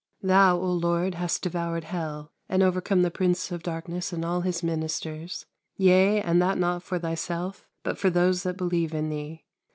Thou, O Lord, hast devoured hell, and overcome the prince of darkness and all his ministers; yea, and that not for Thyself, but for those that believe in Thee.